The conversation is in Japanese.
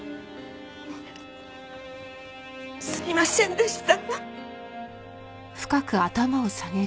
すいませんでした！